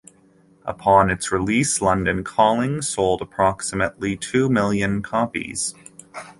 Upon its release, "London Calling" sold approximately two million copies.